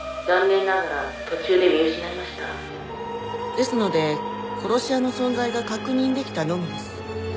ですので殺し屋の存在が確認できたのみです。